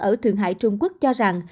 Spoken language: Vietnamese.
ở thượng hải trung quốc cho rằng